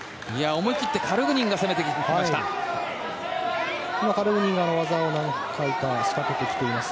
思い切ってカルグニンが攻めてきました。